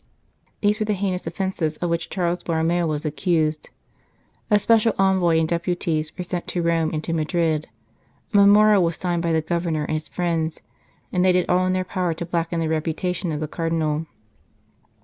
These were the heinous offences of which Charles Borromeo was accused. A special envoy and deputies were sent to Rome and to Madrid, a memorial was signed by the Governor and his friends, and they did all in their power to blacken the reputation of the Cardinal.